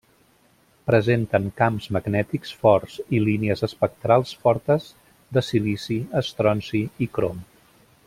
Presenten camps magnètics forts, i línies espectrals fortes de silici, estronci, i crom.